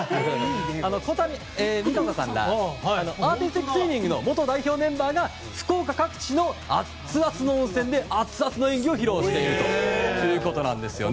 小谷実可子さんらアーティスティックスイミングの元代表メンバーが福岡各地の熱々の温泉で熱々の演技を披露しているということなんですよね。